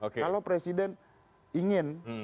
kalau presiden ingin